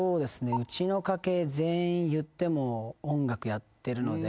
うちの家系全員いっても音楽やってるので。